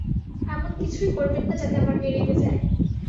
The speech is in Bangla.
এমন কিছুই করবেন না, যাতে আমার মেয়ে রেগে যায়।